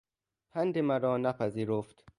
پند مرا نپذیرفت.